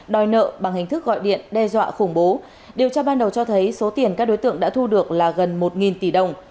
đòi nợ bằng hình thức gọi điện đe dọa khủng bố điều tra ban đầu cho thấy số tiền các đối tượng đã thu được là gần một tỷ đồng